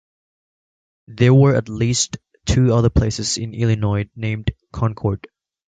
There were at least two other places in Illinois named Concord.